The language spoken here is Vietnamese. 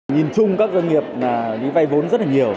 nhìn chung các doanh nghiệp vay vốn rất là nhiều